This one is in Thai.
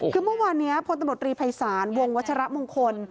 คือเมื่อวานนี้พตฤภัยศาลวงวัชระมงคล